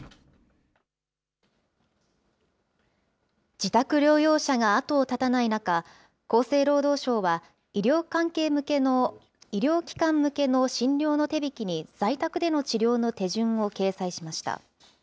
自宅療養者が後を絶たない中、厚生労働省は医療機関向けの診療の手引に在宅での治療の手順を掲載しました。